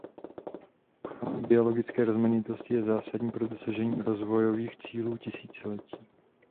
Ochrana biologické rozmanitosti je zásadní pro dosažení rozvojových cílů tisíciletí.